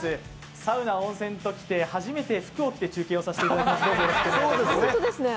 サウナ、温泉ときて初めて服を着て中継をさせていただいております。